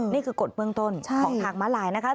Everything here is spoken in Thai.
นี่คือกฎเบื้องต้นของทางมาลายนะคะ